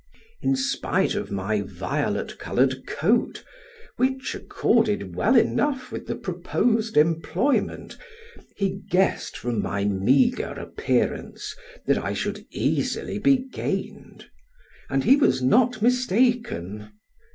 In spite of my violet colored coat, which accorded well enough with the proposed employment, he guessed from my meagre appearance, that I should easily be gained; and he was not mistaken.